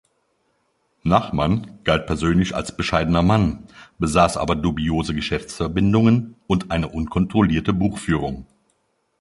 Nachmann galt persönlich als bescheidener Mann, besaß aber dubiose Geschäftsverbindungen und eine unkontrollierte Buchführung.